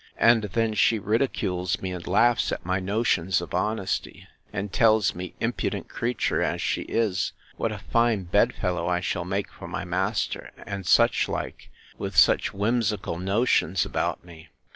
And then she ridicules me, and laughs at my notions of honesty; and tells me, impudent creature as she is! what a fine bed fellow I shall make for my master (and such like), with such whimsical notions about me!